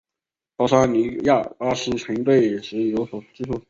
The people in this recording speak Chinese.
保桑尼阿斯曾对其有所记述。